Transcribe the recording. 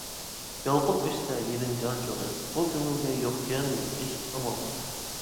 يالقۇن ئۆچسە يېلىنجار چوغى، بۇ كۆڭۈلگە يوقكەن ھېچ ئامال.